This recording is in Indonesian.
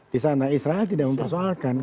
disana israel tidak mempersoalkan itu